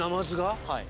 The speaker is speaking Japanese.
はい。